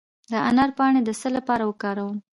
د انار پاڼې د څه لپاره وکاروم؟